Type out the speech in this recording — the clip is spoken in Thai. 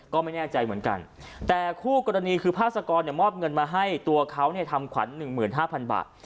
ก็ไม่แน่ใจเหมือนกันแต่คู่กรณีคือพาสกรเนี่ยมอบเงินมาให้ตัวเขาเนี่ยทำขวัญหนึ่งหมื่นห้าพันบาท